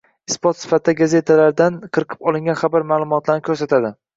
Isbot sifatida gazetalardagan qirqib olgan xabar-maʼlumotlarini koʻrsatadi